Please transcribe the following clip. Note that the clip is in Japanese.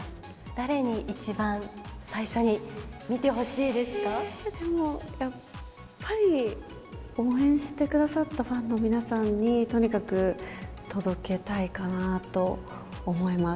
誰に一番最初に見てほしいででも、やっぱり応援してくださったファンの皆さんに、とにかく届けたいかなと思います。